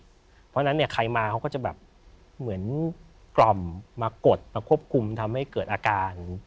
เพราะฉะนั้นเนี่ยใครมาเขาก็จะแบบเหมือนกล่อมมากดมาควบคุมทำให้เกิดอาการ